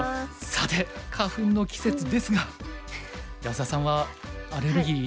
さて花粉の季節ですが安田さんはアレルギー大丈夫ですか？